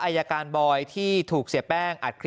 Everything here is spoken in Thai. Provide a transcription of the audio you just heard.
อายการบอยที่ถูกเสียแป้ง